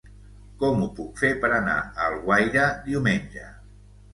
Com ho puc fer per anar a Alguaire diumenge?